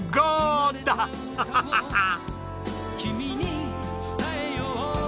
ハハハハッ！